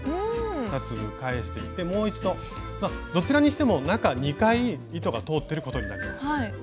２粒返してきてもう一度どちらにしても中２回糸が通ってることになります。